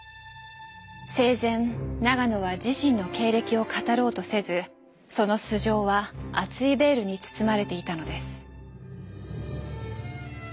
生前永野は自身の経歴を語ろうとせずその素性は厚いベールに包まれていたのです。